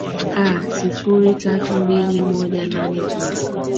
a sifuri tatu mbili moja nane mbili